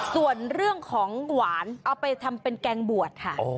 ส่วนเรื่องของหวานเอาไปทำเป็นแกงบวชค่ะ